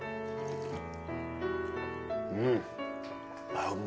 うん。